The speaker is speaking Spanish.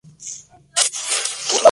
Se la denomina entonces ortodoxa.